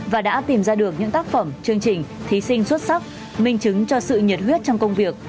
và đã tìm ra được những tác phẩm chương trình thí sinh xuất sắc minh chứng cho sự nhiệt huyết trong công việc